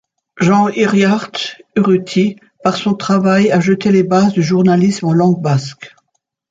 Jean Hiriart-Urruty, par son travail, a jeté les bases du journalisme en langue basque.